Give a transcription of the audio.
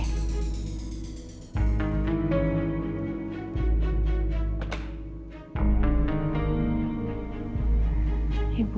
ibu rosa ngirimin aku surat